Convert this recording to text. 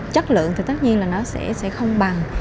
chất lượng thì tất nhiên là nó sẽ không bằng